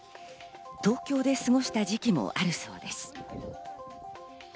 東京で過ごした時期もあるそうです。